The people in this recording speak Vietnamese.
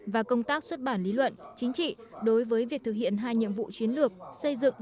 và công tác xuất bản lý luận chính trị đối với việc thực hiện hai nhiệm vụ chiến lược xây dựng